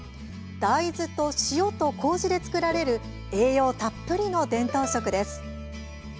大豆と塩とこうじで作られる栄養たっぷりの伝統食です。